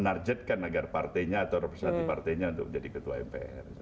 nassim tidak akan ikut partainya atau representasi partainya untuk menjadi ketua mpr